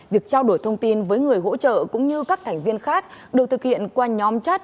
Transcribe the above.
việc trao đổi thông tin với người hỗ trợ cũng như các thành viên khác được thực hiện qua nhóm chat